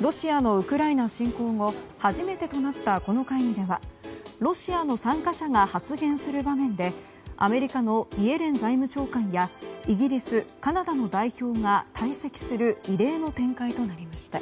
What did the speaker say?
ロシアのウクライナ侵攻後初めてとなったこの会議ではロシアの参加者が発言する場面でアメリカのイエレン財務長官やイギリス、カナダの代表が退席する異例の展開となりました。